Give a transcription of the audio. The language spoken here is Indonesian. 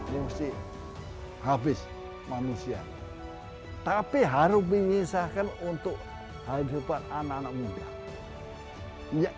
mesti habis manusia tapi harus mengisahkan untuk kehidupan anak anak muda enggak